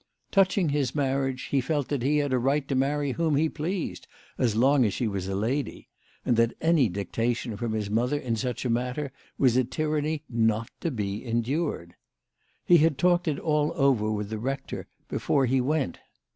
Touching his marriage, he felt that he had a right to marry whom he pleased, as long as she was a lady, and that any dictation from his mother in such a matter was a, tyranny not to be endured. He had talked it all over with the rector before he went.